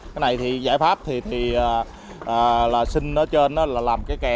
cái này thì giải pháp thì xin ở trên đó là làm cái kè